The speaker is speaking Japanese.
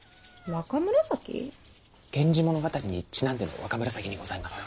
源氏物語にちなんでの若紫にございますか？